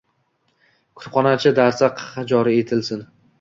Kutubxonachi darsi joriy etilsin.